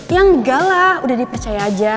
ya enggak lah udah dipercaya aja